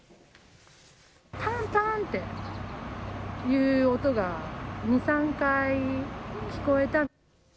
ぱんぱんっていう音が２、３回聞こえた。